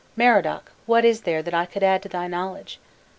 Merodach, what is there that I could add to thy knowledge?